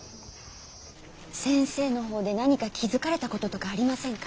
先生の方で何か気付かれたこととかありませんか？